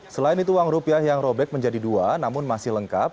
selain itu uang rupiah yang robek menjadi dua namun masih lengkap